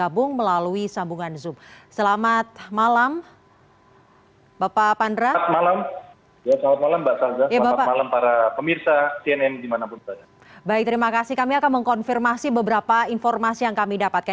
baik terima kasih kami akan mengkonfirmasi beberapa informasi yang kami dapatkan